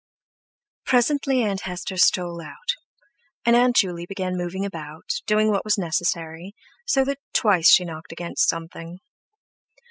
Presently Aunt Hester stole out, and Aunt Juley began moving about, doing "what was necessary," so that twice she knocked against something.